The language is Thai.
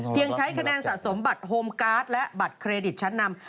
ยังใช้คะแนนสะสมบัตรโฮมการ์ดและบัตรเครดิตชั้นนำ